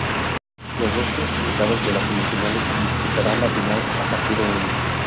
Los dos clasificados de las semifinales disputarán la final a partido único.